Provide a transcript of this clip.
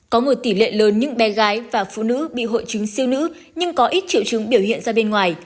có một tỷ lệ lớn những bé gái và phụ nữ bị hội chứng siêu nữ nhưng có ít triệu chứng biểu hiện ra bên ngoài